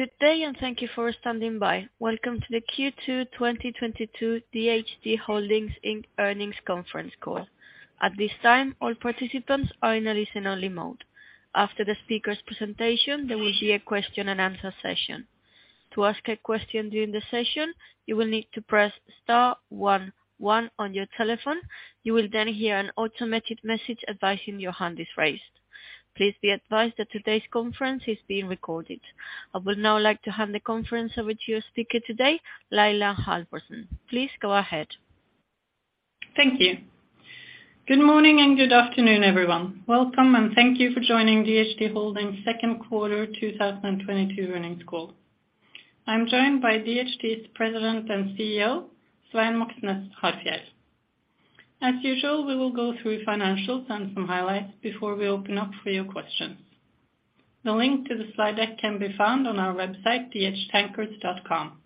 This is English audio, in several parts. Good day, and thank you for standing by. Welcome to the Q2 2022 DHT Holdings Inc. earnings conference call. At this time, all participants are in a listen-only mode. After the speaker's presentation, there will be a question and answer session. To ask a question during the session, you will need to press star one one on your telephone. You will then hear an automated message advising your hand is raised. Please be advised that today's conference is being recorded. I would now like to hand the conference over to your speaker today, Laila Halvorsen. Please go ahead. Thank you. Good morning, and good afternoon, everyone. Welcome, and thank you for joining DHT Holdings' Q2 2022 earnings call. I'm joined by DHT's President and CEO, Svein Moxnes Harfjeld. As usual, we will go through financials and some highlights before we open up for your questions. The link to the slide deck can be found on our website, dhtankers.com.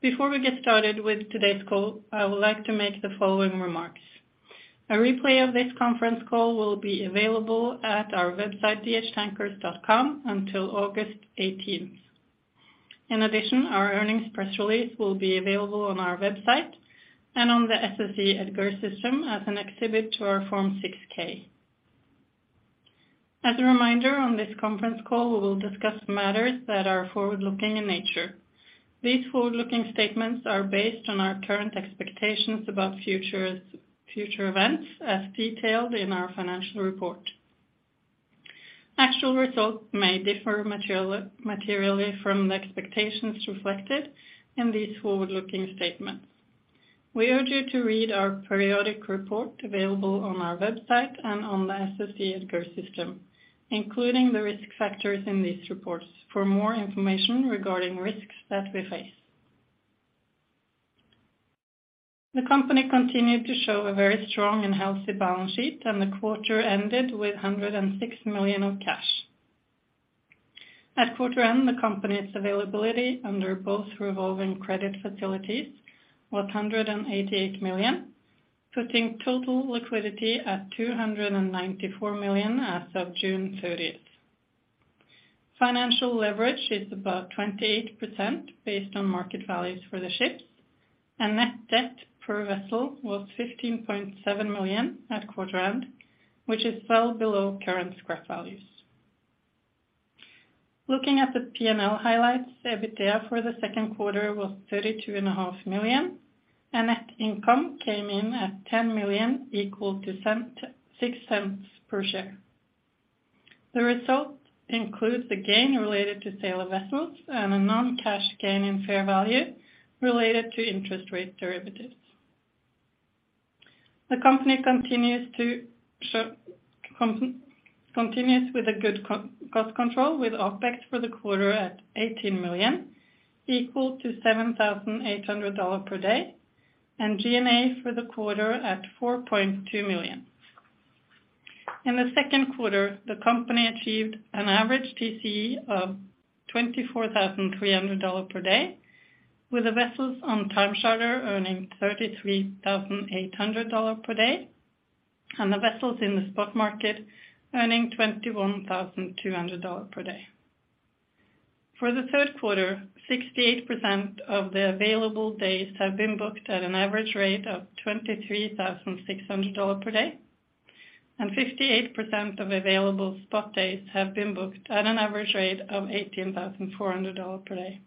Before we get started with today's call, I would like to make the following remarks. A replay of this conference call will be available at our website, dhtankers.com, until August 18th. In addition, our earnings press release will be available on our website and on the SEC EDGAR system as an exhibit to our Form 6-K. As a reminder, on this conference call, we will discuss matters that are forward-looking in nature. These forward-looking statements are based on our current expectations about future events as detailed in our financial report. Actual results may differ materially from the expectations reflected in these forward-looking statements. We urge you to read our periodic report available on our website and on the SEC EDGAR system, including the risk factors in these reports for more information regarding risks that we face. The company continued to show a very strong and healthy balance sheet, and the quarter ended with $106 million of cash. At quarter end, the company's availability under both revolving credit facilities was $188 million, putting total liquidity at $294 million as of June 30th. Financial leverage is about 28% based on market values for the ships, and net debt per vessel was $15.7 million at quarter end, which is well below current scrap values. Looking at the P&L highlights, EBITDA for the second quarter was $32.5 million, and net income came in at $10 million equal to $0.06 Per share. The result includes the gain related to sale of vessels and a non-cash gain in fair value related to interest rate derivatives. The company continues with a good cost control with OpEx for the quarter at $18 million, equal to $7,800 dollar per day, and G&A for the quarter at $4.2 million. In the second quarter, the company achieved an average TCE of $24,300 per day, with the vessels on time charter earning $33,800 per day and the vessels in the spot market earning $21,200 per day. For the third quarter, 68% of the available days have been booked at an average rate of $23,600 per day, and 58% of available spot days have been booked at an average rate of $18,400 per day.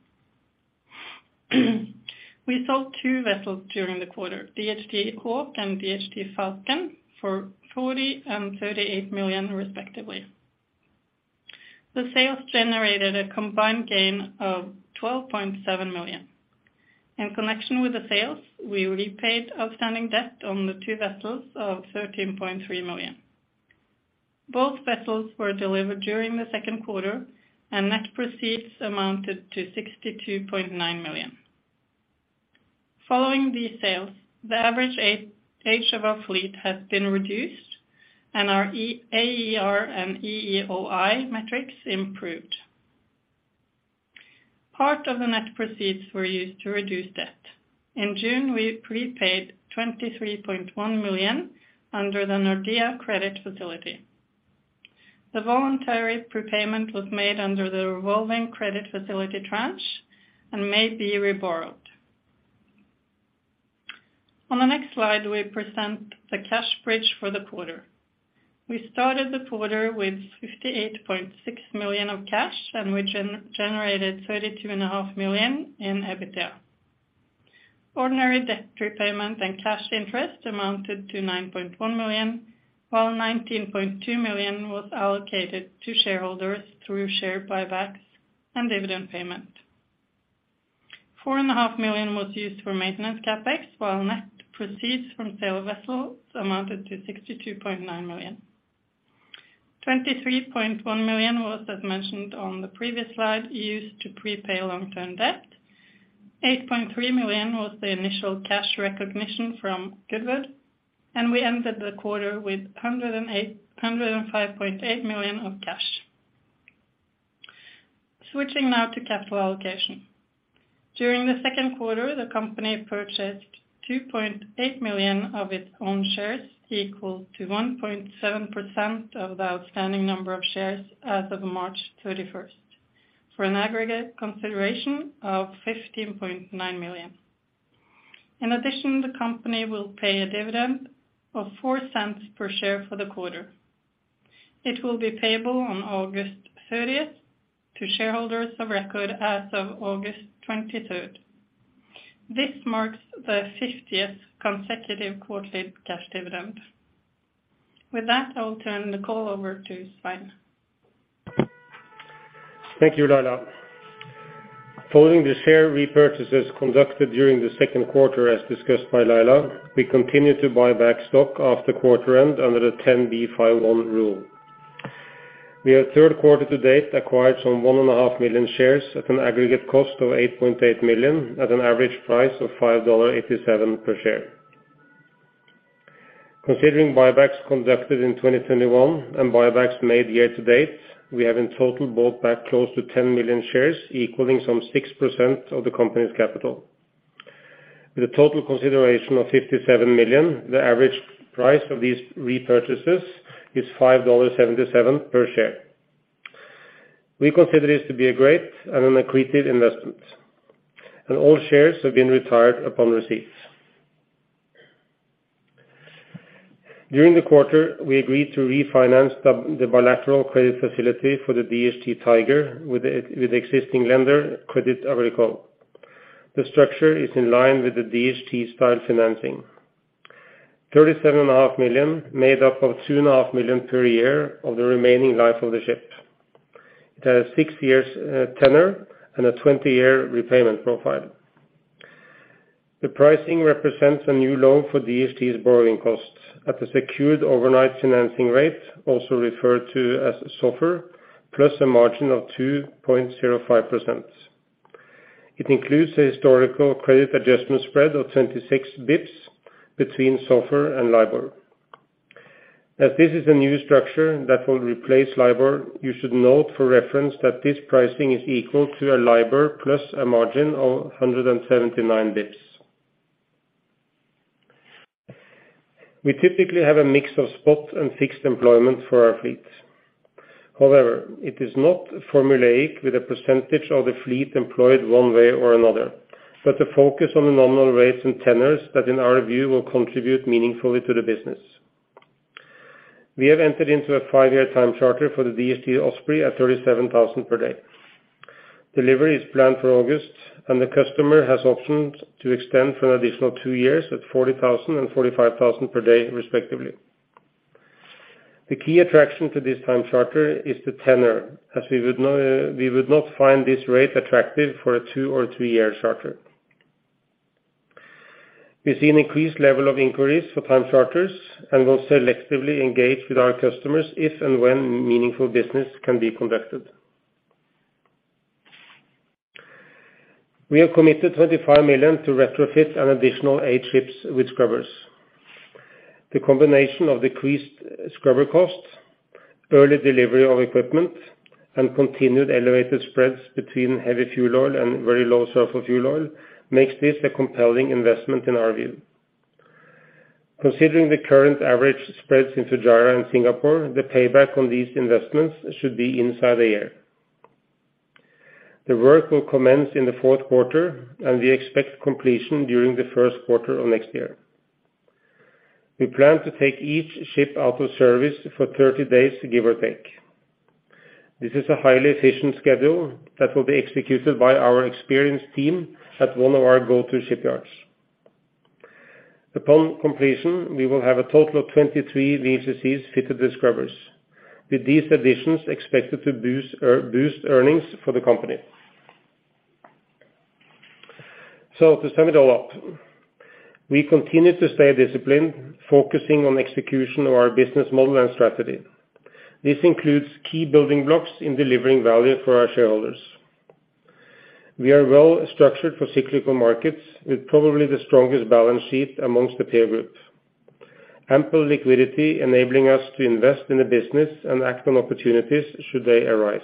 We sold two vessels during the quarter, DHT Hawk and DHT Falcon, for $40 million and $38 million, respectively. The sales generated a combined gain of $12.7 million. In connection with the sales, we repaid outstanding debt on the two vessels of $13.3 million. Both vessels were delivered during the second quarter, and net proceeds amounted to $62.9 million. Following these sales, the average age of our fleet has been reduced, and our AER and EEOI metrics improved. Part of the net proceeds were used to reduce debt. In June, we prepaid $23.1 million under the Nordea credit facility. The voluntary prepayment was made under the revolving credit facility tranche and may be reborrowed. On the next slide, we present the cash bridge for the quarter. We started the quarter with $58.6 million of cash, and we generated $32.5 million in EBITDA. Ordinary debt repayment and cash interest amounted to $9.1 million, while $19.2 million was allocated to shareholders through share buybacks and dividend payment. $4.5 Million was used for maintenance CapEx, while net proceeds from sale of vessels amounted to $62.9 million. $23.1 million was, as mentioned on the previous slide, used to prepay long-term debt. $8.3 million was the initial cash recognition from Goodwood, and we ended the quarter with $105.8 million of cash. Switching now to capital allocation. During the second quarter, the company purchased 2.8 million of its own shares, equal to 1.7% of the outstanding number of shares as of March 31st, for an aggregate consideration of $15.9 million. In addition, the company will pay a dividend of $0.04 per share for the quarter. It will be payable on August 30th to shareholders of record as of August 23rd. This marks the fiftieth consecutive quarterly cash dividend. With that, I will turn the call over to Svein. Thank you, Laila. Following the share repurchases conducted during the second quarter, as discussed by Laila, we continue to buy back stock after quarter end under the 10b5-1 rule. We have third quarter to date acquired some 1.5 million shares at an aggregate cost of $8.8 million at an average price of $5.87 per share. Considering buybacks conducted in 2021 and buybacks made year to date, we have in total bought back close to 10 million shares, equaling some 6% of the company's capital. With a total consideration of $57 million, the average price of these repurchases is $5.77 per share. We consider this to be a great and an accretive investment, and all shares have been retired upon receipts. During the quarter, we agreed to refinance the bilateral credit facility for the DHT Tiger with existing lender Crédit Agricole. The structure is in line with the DHT style financing. $37.5 million made up of $2.5 million per year of the remaining life of the ship. It has six-year tenure and a 20-year repayment profile. The pricing represents a new low for DHT's borrowing costs at a secured overnight financing rate, also referred to as SOFR, plus a margin of 2.05%. It includes a historical credit adjustment spread of 26 basis points between SOFR and LIBOR. As this is a new structure that will replace LIBOR, you should note for reference that this pricing is equal to a LIBOR plus a margin of 179 basis points. We typically have a mix of spot and fixed employment for our fleet. However, it is not formulaic with a percentage of the fleet employed one way or another, but the focus on the nominal rates and tenors that in our view will contribute meaningfully to the business. We have entered into a five year time charter for the DHT Osprey at $37,000 per day. Delivery is planned for August, and the customer has options to extend for an additional two years at $40,000 and $45,000 per day respectively. The key attraction to this time charter is the tenor, as we would not find this rate attractive for a two or three year charter. We see an increased level of inquiries for time charters and will selectively engage with our customers if and when meaningful business can be conducted. We have committed $25 million to retrofit an additional eight ships with scrubbers. The combination of decreased scrubber costs, early delivery of equipment, and continued elevated spreads between heavy fuel oil and very low sulfur fuel oil makes this a compelling investment in our view. Considering the current average spreads in Fujairah and Singapore, the payback on these investments should be inside a year. The work will commence in the fourth quarter, and we expect completion during the first quarter of next year. We plan to take each ship out of service for 30 days, give or take. This is a highly efficient schedule that will be executed by our experienced team at one of our go-to shipyards. Upon completion, we will have a total of 23 VLCCs fitted with scrubbers, with these additions expected to boost earnings for the company. To sum it all up, we continue to stay disciplined, focusing on execution of our business model and strategy. This includes key building blocks in delivering value for our shareholders. We are well structured for cyclical markets with probably the strongest balance sheet amongst the peer group. Ample liquidity enabling us to invest in the business and act on opportunities should they arise,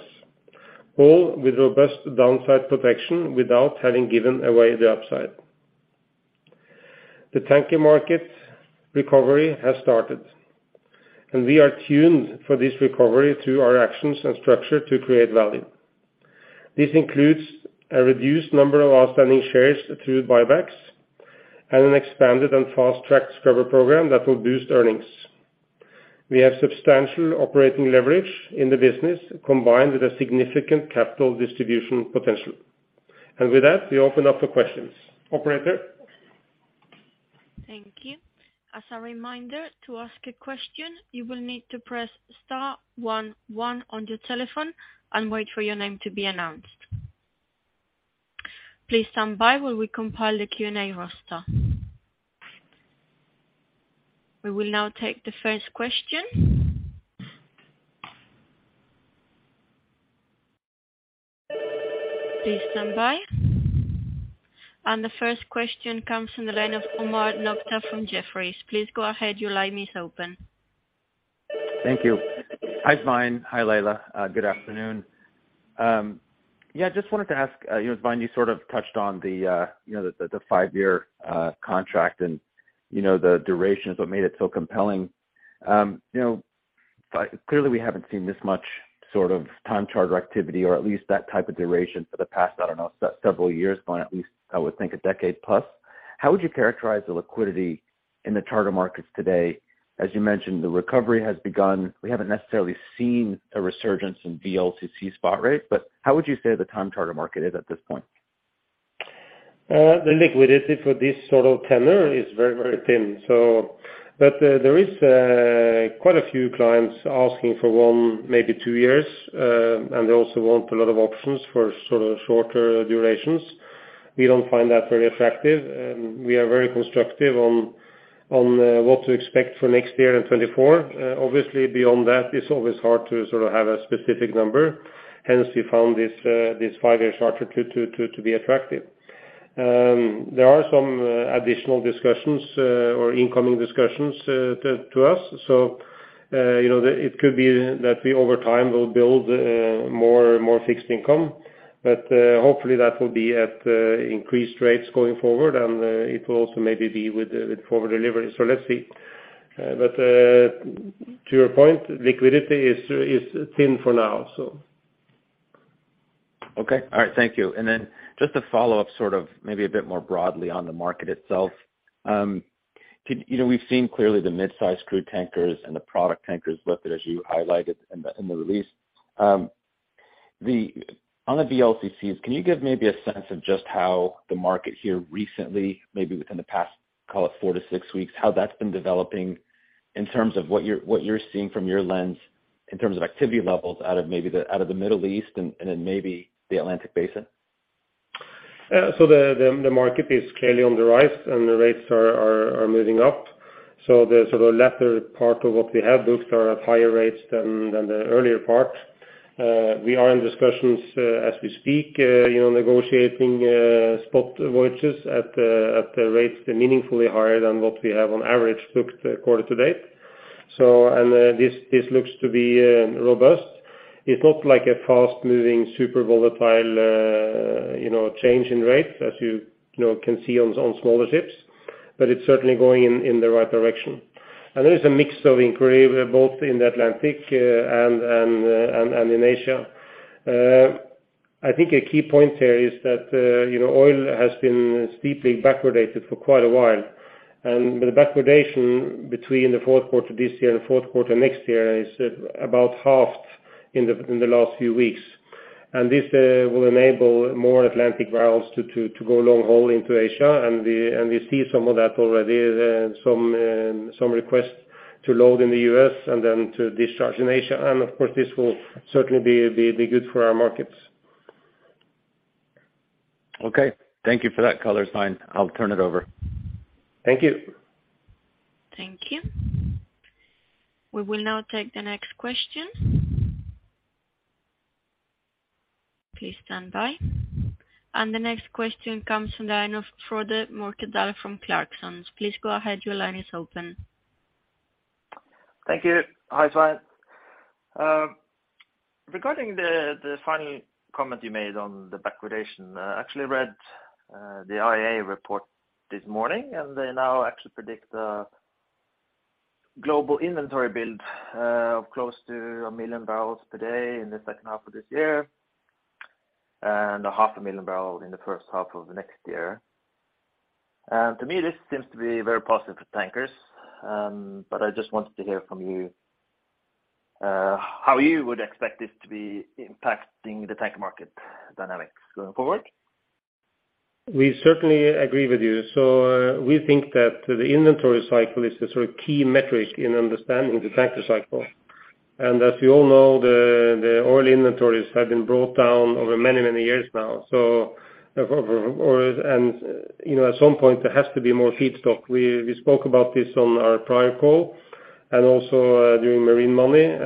all with robust downside protection without having given away the upside. The tanker market recovery has started, and we are tuned for this recovery through our actions and structure to create value. This includes a reduced number of outstanding shares through buybacks and an expanded and fast-tracked scrubber program that will boost earnings. We have substantial operating leverage in the business combined with a significant capital distribution potential. With that, we open up for questions. Operator? Thank you. As a reminder, to ask a question, you will need to press star one one on your telephone and wait for your name to be announced. Please stand by while we compile the Q&A roster. We will now take the first question. Please stand by. The first question comes from the line of Omar Nokta from Jefferies. Please go ahead. Your line is open. Thank you. Hi, Svein. Hi, Laila. Good afternoon. Yeah, just wanted to ask, you know, Svein, you sort of touched on the five-year contract and, you know, the duration is what made it so compelling. You know, clearly we haven't seen this much sort of time charter activity, or at least that type of duration for the past, I don't know, several years, but at least I would think a decade plus. How would you characterize the liquidity in the charter markets today? As you mentioned, the recovery has begun. We haven't necessarily seen a resurgence in VLCC spot rates, but how would you say the time charter market is at this point? The liquidity for this sort of tenure is very, very thin. There is quite a few clients asking for one, maybe two years, and they also want a lot of options for sort of shorter durations. We don't find that very attractive, and we are very constructive on what to expect for next year and 2024. Obviously beyond that, it's always hard to sort of have a specific number. Hence we found this five year charter to be attractive. There are some additional discussions or incoming discussions to us. You know, it could be that we over time will build more fixed income. Hopefully that will be at increased rates going forward, and it will also maybe be with forward delivery. Let's see. To your point, liquidity is thin for now, so. Okay. All right. Thank you. Just to follow up sort of maybe a bit more broadly on the market itself. You know, we've seen clearly the mid-size crude tankers and the product tankers lifted, as you highlighted in the release. On the VLCCs, can you give maybe a sense of just how the market here recently, maybe within the past, call it four to six weeks, how that's been developing in terms of what you're seeing from your lens in terms of activity levels out of the Middle East and then maybe the Atlantic Basin? The market is clearly on the rise, and the rates are moving up. The sort of latter part of what we have booked are at higher rates than the earlier part. We are in discussions, as we speak, you know, negotiating spot voyages at the rates meaningfully higher than what we have on average booked quarter to date. This looks to be robust. It's not like a fast-moving, super volatile, you know, change in rates, as you know, can see on smaller ships, but it's certainly going in the right direction. There is a mix of inquiry both in the Atlantic and in Asia. I think a key point here is that, you know, oil has been steeply backwardated for quite a while. The backwardation between the fourth quarter this year and the fourth quarter next year is about half in the last few weeks. This will enable more Atlantic routes to go long haul into Asia. We see some of that already, some requests to load in the U.S. and then to discharge in Asia. Of course, this will certainly be good for our markets. Okay. Thank you for that color, Svein. I'll turn it over. Thank you. Thank you. We will now take the next question. Please stand by. The next question comes on the line of Frode Morkedal from Clarksons. Please go ahead. Your line is open. Thank you. Hi, Svein. Regarding the final comment you made on the backwardation, I actually read the IEA report this morning, and they now actually predict a global inventory build of close to 1 million barrels per day in the second half of this year and 0.5 million barrels in the first half of next year. To me, this seems to be very positive for tankers. I just wanted to hear from you how you would expect this to be impacting the tanker market dynamics going forward. We certainly agree with you. We think that the inventory cycle is a sort of key metric in understanding the tanker cycle. As you all know, the oil inventories have been brought down over many years now. You know, at some point, there has to be more feedstock. We spoke about this on our prior call and also during Marine Money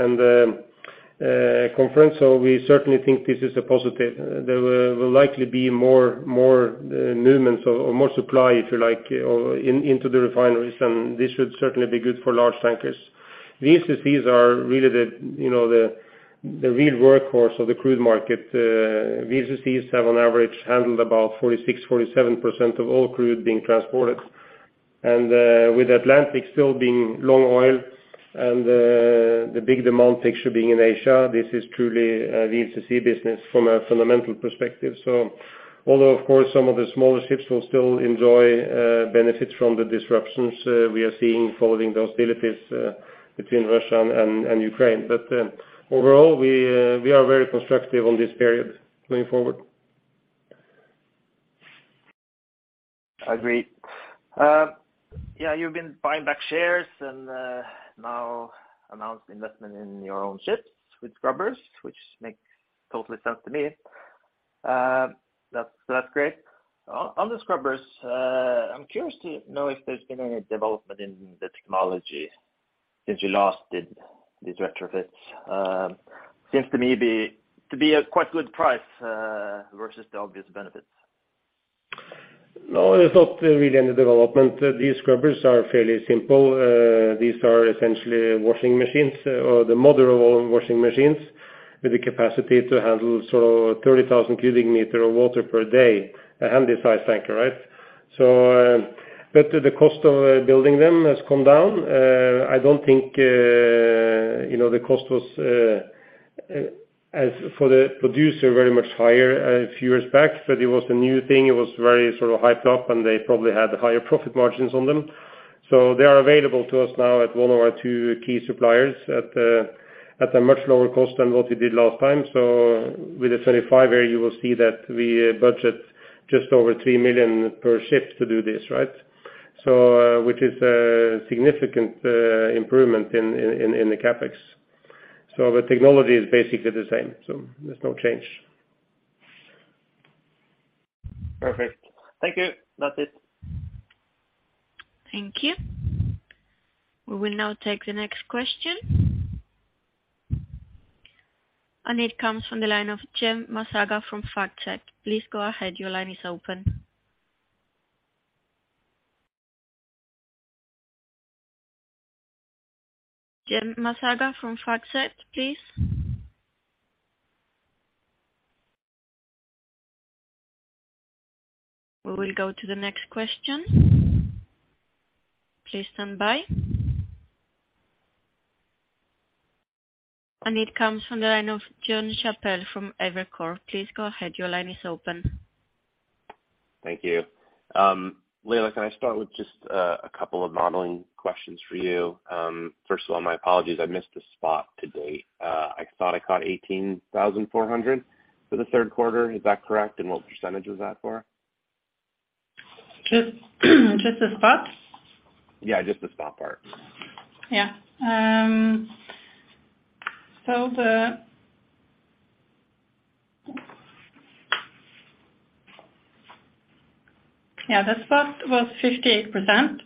conference. We certainly think this is a positive. There will likely be more movements or more supply, if you like, or into the refineries, and this should certainly be good for large tankers. VLCCs are really you know, the real workhorse of the crude market. VLCCs have on average handled about 46%-47% of all crude being transported. With Atlantic still being long oil and the big demand picture being in Asia, this is truly a VLCC business from a fundamental perspective. Although, of course, some of the smaller ships will still enjoy benefits from the disruptions we are seeing following the hostilities between Russia and Ukraine. Overall, we are very constructive on this period going forward. I agree. Yeah, you've been buying back shares and now announced investment in your own ships with scrubbers, which makes total sense to me. That's great. On the scrubbers, I'm curious to know if there's been any development in the technology since you last did these retrofits. Seems to me to be a quite good price versus the obvious benefits. No, there's not really any development. These scrubbers are fairly simple. These are essentially washing machines or the model of washing machines with the capacity to handle sort of 30,000 cubic meters of water per day, a handy size tanker, right? But the cost of building them has come down. I don't think, you know, the cost was, as far as the producer, very much higher a few years back, but it was a new thing. It was very sort of hyped up, and they probably had higher profit margins on them. They are available to us now at one of our two key suppliers at a much lower cost than what we did last time. With the 25 area, you will see that we budget just over $3 million per ship to do this, right? Which is a significant improvement in the CapEx. The technology is basically the same, so there's no change. Perfect. Thank you. That's it. Thank you. We will now take the next question. It comes from the line of Sherif Elmaghrabi from BTIG. Please go ahead. Your line is open. Sherif Elmaghrabi from BTIG, please. We will go to the next question. Please stand by. It comes from the line of Jonathan Chappell from Evercore ISI. Please go ahead. Your line is open. Thank you. Laila, can I start with just a couple of modeling questions for you? First of all, my apologies, I missed the spot to date. I thought I caught $18,400 for the third quarter. Is that correct? And what percentage was that for? Just the spot? Yeah, just the spot part. Yeah, the spot was 58%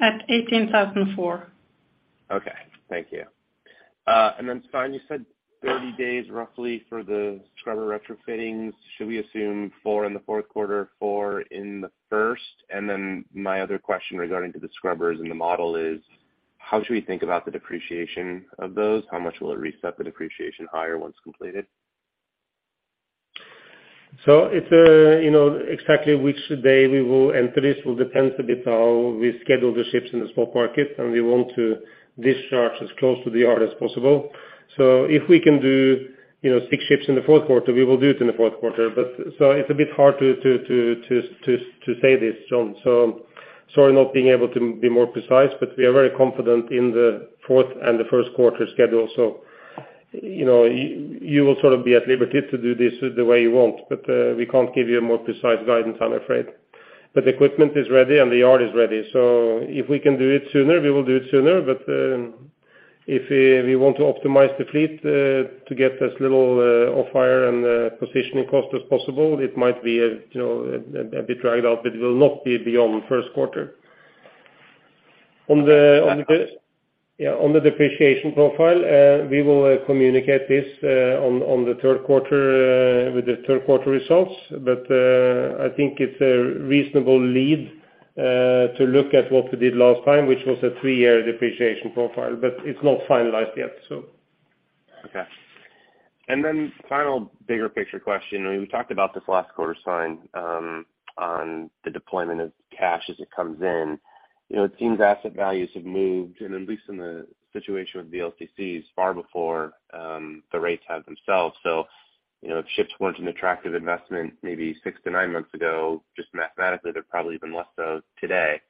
at $18,004. Okay. Thank you. Svein, you said 30 days roughly for the scrubber retrofittings. Should we assume four in the fourth quarter, four in the first? My other question regarding to the scrubbers and the model is how should we think about the depreciation of those? How much will it reset the depreciation higher once completed? It's exactly which day we will enter this will depend a bit how we schedule the ships in the spot market, and we want to discharge as close to the yard as possible. If we can do six ships in the fourth quarter, we will do it in the fourth quarter. It's a bit hard to say this, John. Sorry, not being able to be more precise, but we are very confident in the fourth and the first quarter schedule. You will sort of be at liberty to do this the way you want, but we can't give you a more precise guidance, I'm afraid. The equipment is ready and the yard is ready. If we can do it sooner, we will do it sooner. If we want to optimize the fleet to get as little off hire and positioning cost as possible, it might be, you know, a bit dragged out, but it will not be beyond first quarter. On the- Understood. Yeah, on the depreciation profile, we will communicate this on the third quarter with the third quarter results. I think it's a reasonable lead to look at what we did last time, which was a three-year depreciation profile, but it's not finalized yet, so. Okay. Then final bigger picture question. We talked about this last quarter, Svein, on the deployment of cash as it comes in. You know, it seems asset values have moved, and at least in the situation with VLCCs far before the rates have themselves. You know, if ships weren't an attractive investment maybe six to nine months ago, just mathematically, they're probably even less so today.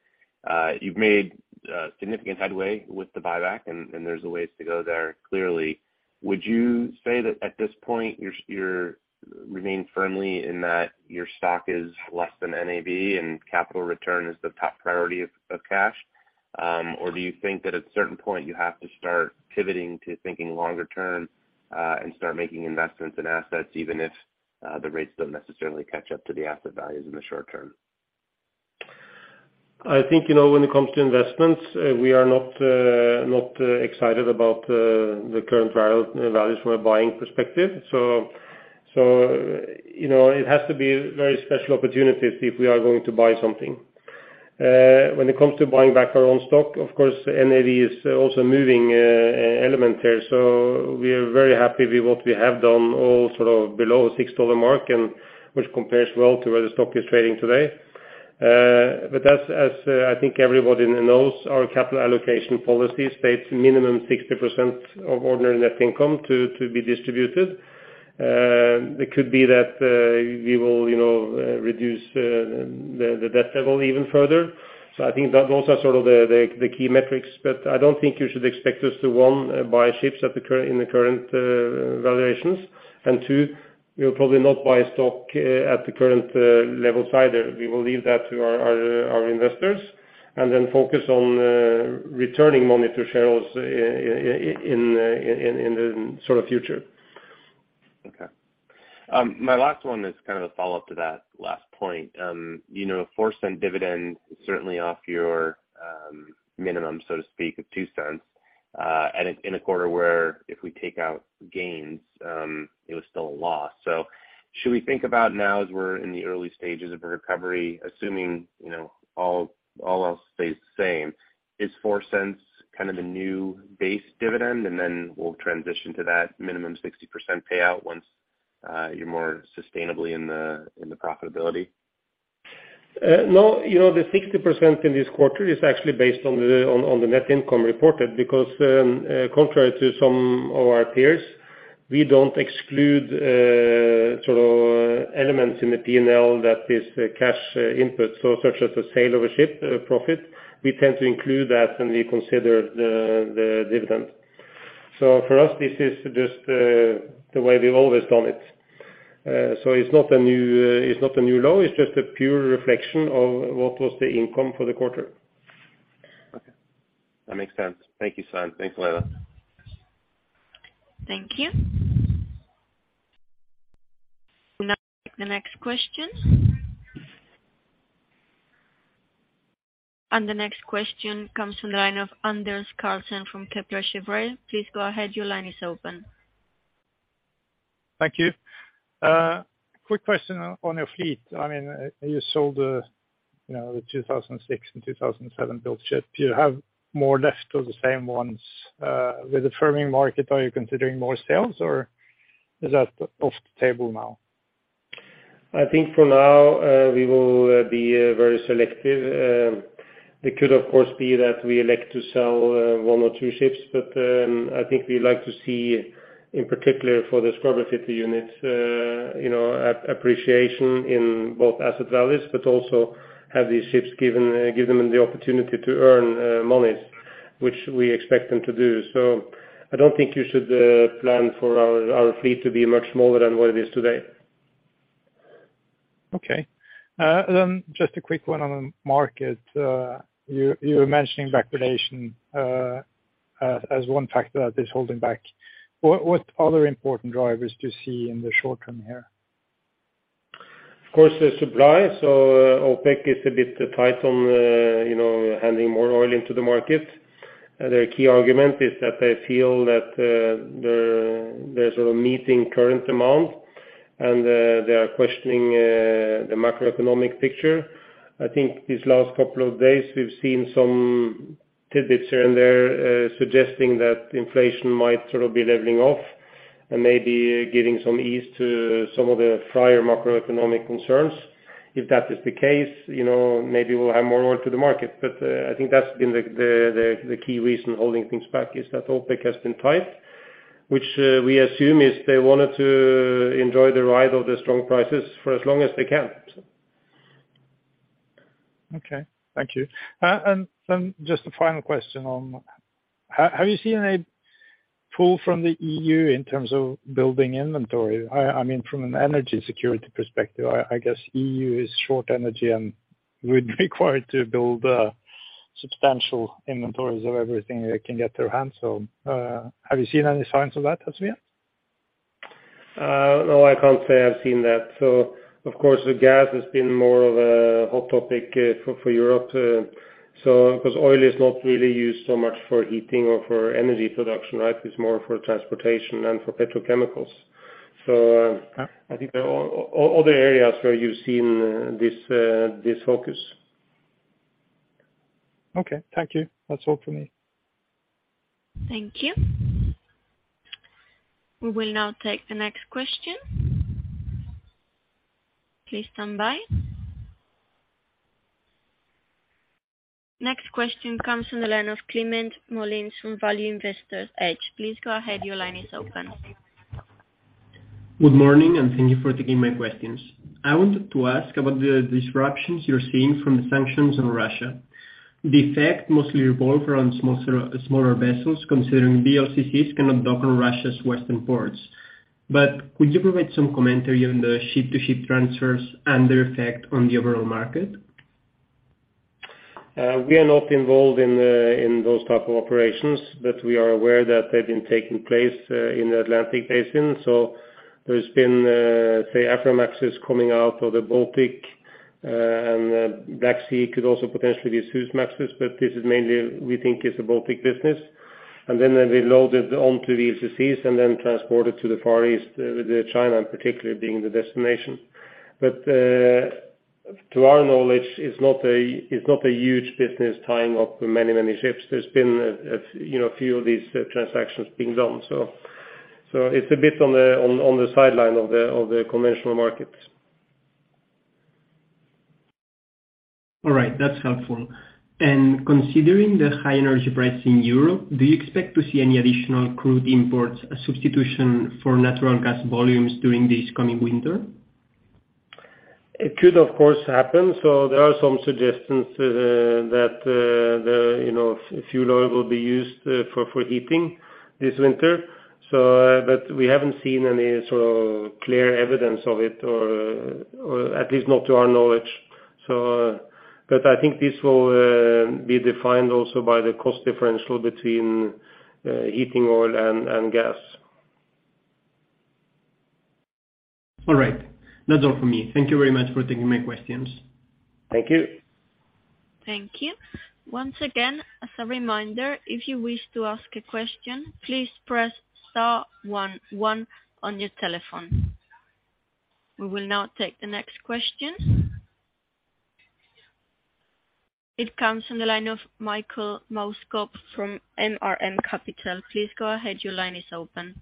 You've made significant headway with the buyback and there's a ways to go there clearly. Would you say that at this point you remain firmly in that your stock is less than NAV and capital return is the top priority of cash? Do you think that at a certain point you have to start pivoting to thinking longer term, and start making investments in assets, even if the rates don't necessarily catch up to the asset values in the short term? I think, you know, when it comes to investments, we are not excited about the current values from a buying perspective. It has to be very special opportunities if we are going to buy something. When it comes to buying back our own stock, of course, NAV is also a moving element there. We are very happy with what we have done all sorts of below $6 mark and which compares well to where the stock is trading today. As I think everybody knows, our capital allocation policy states minimum 60% of ordinary net income to be distributed. It could be that we will, you know, reduce the debt level even further. I think that those are sort of the key metrics, but I don't think you should expect us to, one, buy ships at the current valuations. Two, we'll probably not buy stock at the current levels either. We will leave that to our investors and then focus on returning money to shareholders in the sort of future. Okay. My last one is kind of a follow-up to that last point. You know $0.04 dividend certainly off your Minimum, so to speak, of $0.02 in a quarter where if we take out gains, it was still a loss. Should we think about now as we're in the early stages of a recovery, assuming, you know, all else stays the same, is $0.04 kind of a new base dividend, and then we'll transition to that minimum 60% payout once you're more sustainably in the profitability? No. You know, the 60% in this quarter is actually based on the net income reported, because contrary to some of our peers, we don't exclude sort of elements in the P&L that is cash input, so such as the sale of a ship profit. We tend to include that when we consider the dividend. This is just the way we've always done it. It's not a new low, it's just a pure reflection of what was the income for the quarter. Okay. That makes sense. Thank you, Svein. Thanks a lot. Thank you. Now the next question. The next question comes from the line of Anders Karlsen from Kepler Cheuvreux. Please go ahead. Your line is open. Thank you. Quick question on your fleet. I mean, you sold, you know, the 2006 and 2007 built ship. Do you have more left or the same ones? With the firming market, are you considering more sales, or is that off the table now? I think for now, we will be very selective. It could of course be that we elect to sell one or two ships, but I think we like to see, in particular for the scrubber-fitted units, you know, appreciation in both asset values, but also give them the opportunity to earn money, which we expect them to do. I don't think you should plan for our fleet to be much smaller than what it is today. Okay. Just a quick one on the market. You were mentioning backwardation as one factor that is holding back. What other important drivers do you see in the short term here? Of course, the supply. OPEC is a bit tight on, you know, handing more oil into the market. Their key argument is that they feel that they're sort of meeting current demand and they are questioning the macroeconomic picture. I think these last couple of days we've seen some tidbits here and there suggesting that inflation might sort of be leveling off and maybe giving some ease to some of the prior macroeconomic concerns. If that is the case, you know, maybe we'll have more oil to the market. I think that's been the key reason holding things back is that OPEC has been tight, which we assume is they wanted to enjoy the ride of the strong prices for as long as they can. Okay. Thank you. Then just a final question. Have you seen any pull from the EU in terms of building inventory? I mean, from an energy security perspective, I guess EU is short energy and would be required to build substantial inventories of everything they can get their hands on. Have you seen any signs of that as of yet? No, I can't say I've seen that. Of course, the gas has been more of a hot topic for Europe, because oil is not really used so much for heating or for energy production, right? It's more for transportation and for petrochemicals. I think there are other areas where you've seen this focus. Okay. Thank you. That's all for me. Thank you. We will now take the next question. Please stand by. Next question comes from the line of Climent Molins from Value Investor's Edge. Please go ahead. Your line is open. Good morning, and thank you for taking my questions. I want to ask about the disruptions you're seeing from the sanctions on Russia. The effect mostly revolve around smaller vessels, considering VLCCs cannot dock on Russia's western ports. Could you provide some commentary on the ship-to-ship transfers and their effect on the overall market? We are not involved in those type of operations, but we are aware that they've been taking place in the Atlantic basin. There's been say, Aframaxes coming out of the Baltic, and Black Sea could also potentially be Suezmaxes, but this is mainly we think it's a Baltic business. Then they reload it onto the VLCCs and then transport it to the Far East, with China particularly being the destination. To our knowledge, it's not a huge business tying up many ships. There's been you know, a few of these transactions being done. It's a bit on the sideline of the conventional markets. All right. That's helpful. Considering the high energy price in Europe, do you expect to see any additional crude imports as substitution for natural gas volumes during this coming winter? It could, of course, happen. There are some suggestions that the, you know, fuel oil will be used for heating this winter, but we haven't seen any sort of clear evidence of it or at least not to our knowledge. I think this will be defined also by the cost differential between heating oil and gas. All right. That's all for me. Thank you very much for taking my questions. Thank you. Thank you. Once again, as a reminder, if you wish to ask a question, please press star one one on your telephone. We will now take the next question. It comes from the line of Michael Musgrave from MRM Capital. Please go ahead. Your line is open.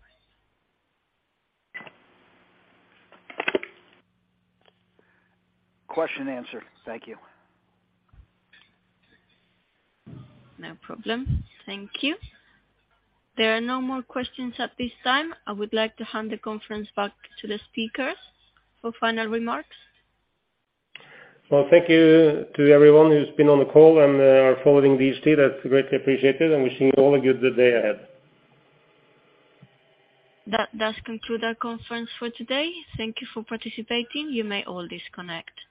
Question answered. Thank you. No problem. Thank you. There are no more questions at this time. I would like to hand the conference back to the speakers for final remarks. Well, thank you to everyone who's been on the call and are following these today. That's greatly appreciated and wishing you all a good day ahead. That does conclude our conference for today. Thank you for participating. You may all disconnect.